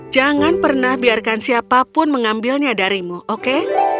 jangan pernah biarkan siapapun mengambilnya darimu oke